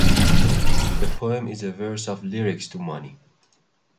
The poem is a verse of lyrics to "Money".